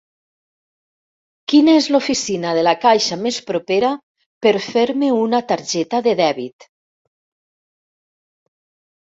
Quina és l'oficina de la caixa més propera per fer-me una targeta de dèbit?